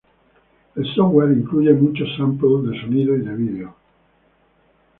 El software incluye muchos samples de sonido y de vídeo.